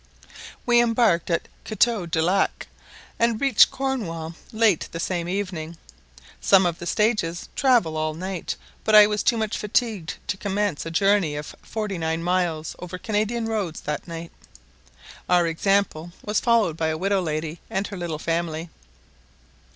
We embarked at Couteau du Lac and reached Cornwall late the same evening. Some of the stages travel all night, but I was too much fatigued to commence a journey of forty nine miles over Canadian roads that night. Our example was followed by a widow lady and her little family.